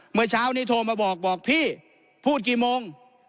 เมื่อเช้านี้โทรมาบอกบอกพี่พูดกี่โมง